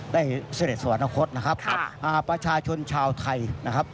เสด็จสวรรคตนะครับประชาชนชาวไทยนะครับ